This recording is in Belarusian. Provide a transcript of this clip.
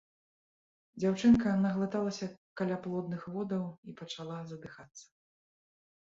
Дзяўчынка наглыталіся каляплодных водаў і пачала задыхацца.